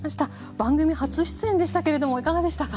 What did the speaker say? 番組初出演でしたけれどもいかがでしたか？